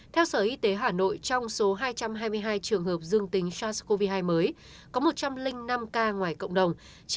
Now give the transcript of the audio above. theo sở y tế hà nội trong số hai trăm hai mươi hai trường hợp dương tính sars cov hai mới có một trăm linh năm ca ngoài cộng đồng